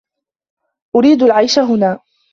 أريد العيش هنا.